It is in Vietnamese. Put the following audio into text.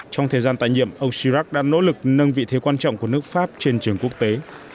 trong thời gian tại nhiệm ông girak đã nỗ lực nâng vị thế quan trọng của nước pháp trên trường quốc tế